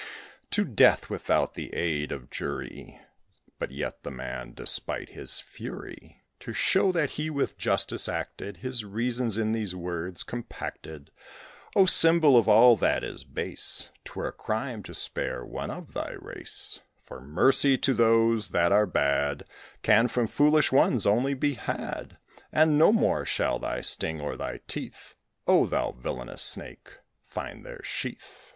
To death without the aid of jury! But yet the Man, despite his fury, To show that he with justice acted, His reasons in these words compacted: "Oh, symbol of all that is base, 'Twere a crime to spare one of thy race; For mercy to those that are bad Can from foolish ones only be had; And no more shall thy sting or thy teeth, Oh, thou villanous Snake, find their sheath!"